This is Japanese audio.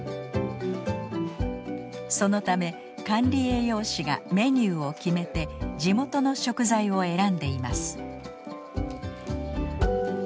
そのため管理栄養士がメニューを決めて地元の食材を選んでいます。